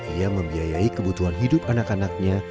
ia membiayai kebutuhan hidup anak anaknya